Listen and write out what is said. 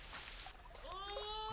おい！